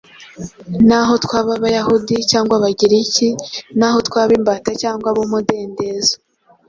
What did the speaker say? naho twaba abayuda cyangwa abagiriki, naho twaba imbata cyangwa ab’umudendezo.